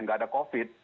tidak ada covid